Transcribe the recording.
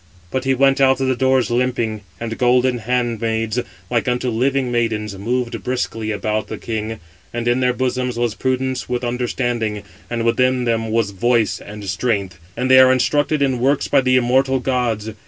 But he went out of the doors limping, and golden handmaids, like unto living maidens, moved briskly about the king; and in their bosoms was prudence with understanding, and within them was voice and strength; and they are instructed in works by the immortal gods.